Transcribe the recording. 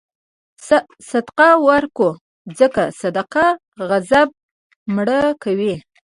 صدقه ورکوه، ځکه صدقه غضب مړه کوي.